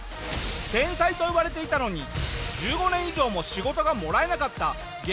天才と呼ばれていたのに１５年以上も仕事がもらえなかった激